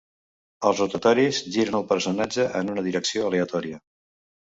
Els rotatoris giren el personatge en una direcció aleatòria.